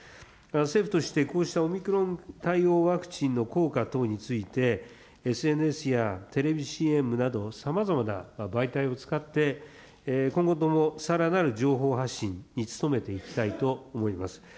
政府としてこうしたオミクロン対応ワクチンの効果等について、ＳＮＳやテレビＣＭなど、さまざまな媒体を使って、今後ともさらなる情報発信に努めていきたいと思います。